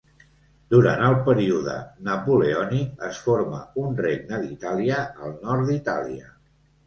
Durant el període napoleònic, es forma un Regne d'Itàlia al nord d'Itàlia.